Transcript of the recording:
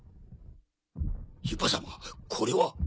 ユパ様これは。